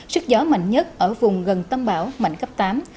sức gió mạnh nhất ở vùng gần tâm bão mạnh cấp tám